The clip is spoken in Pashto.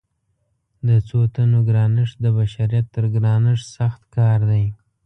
د څو تنو ګرانښت د بشریت تر ګرانښت سخت کار دی.